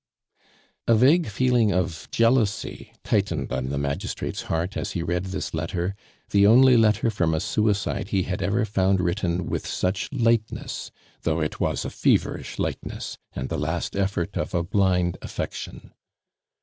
A vague feeling of jealousy tightened on the magistrate's heart as he read this letter, the only letter from a suicide he had ever found written with such lightness, though it was a feverish lightness, and the last effort of a blind affection.